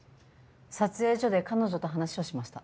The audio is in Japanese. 撮影所で彼女と話をしました。